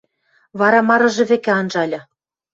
Вара марыжы вӹкӹ анжальы.